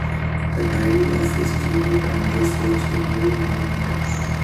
The title of his keynote address was The New New World.